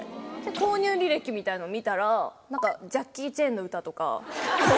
購入履歴みたいなの見たら何かジャッキー・チェンの歌とか。